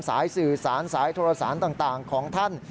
สายสื่อสารสายโทรศัพท์ต่างของท่าน